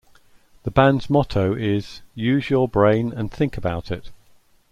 The band's motto is "Use your brain and think about it!".